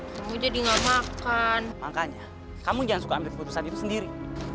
kamu jadi nggak makan makanya kamu jangan suka ambil keputusan itu sendiri